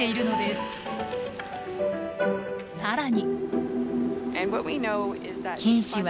更に。